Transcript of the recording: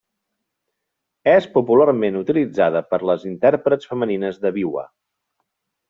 És popularment utilitzada per les intèrprets femenines de biwa.